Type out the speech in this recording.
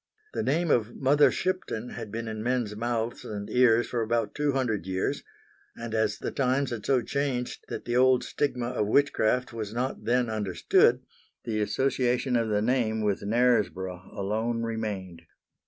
The name of Mother Shipton had been in men's mouths and ears for about two hundred years, and as the times had so changed that the old stigma of witchcraft was not then understood, the association of the name with Knaresborough alone remained.